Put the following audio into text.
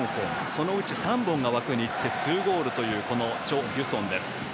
そのうち、３本が枠にいって２ゴールというこのチョ・ギュソンです。